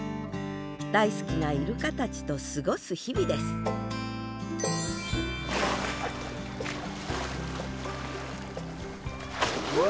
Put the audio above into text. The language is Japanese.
大好きなイルカたちと過ごす日々ですうわ！